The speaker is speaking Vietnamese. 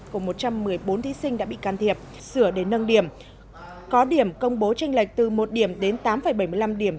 của một trăm một mươi bốn thí sinh đã bị can thiệp sửa để nâng điểm có điểm công bố tranh lệch từ một điểm đến tám bảy mươi năm điểm